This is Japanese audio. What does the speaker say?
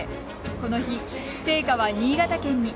この日、聖火は新潟県に。